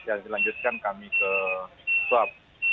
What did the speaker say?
dan selanjutnya kami ke swab